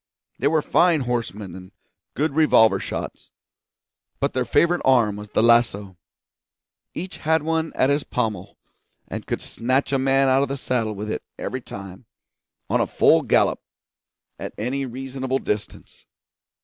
They were fine horsemen and good revolver shots; but their favourite arm was the lasso. Each had one at his pommel, and could snatch a man out of the saddle with it every time, on a full gallop, at any reasonable distance.